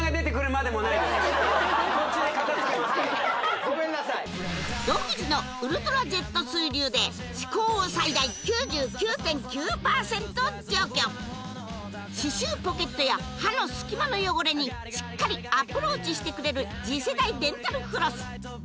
こっちで片付けますからごめんなさい歯垢を最大９９．９％除去歯周ポケットや歯のすき間の汚れにしっかりアプローチしてくれる次世代デンタルフロス